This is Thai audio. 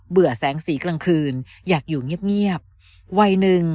แสงสีกลางคืนอยากอยู่เงียบวัยหนึ่ง